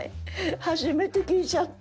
初めて聞いちゃった。